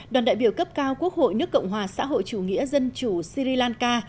đoàn đại biểu cấp cao quốc hội nước cộng hòa xã hội chủ nghĩa dân chủ syri lanka